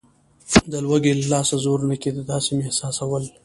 د لوږې له لاسه زور نه کېده، داسې مې احساسول.